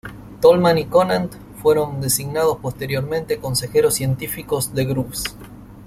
Tolman y Conant fueron designados posteriormente consejeros científicos de Groves.